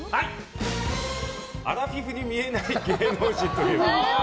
アラフィフに見えない芸能人といえば？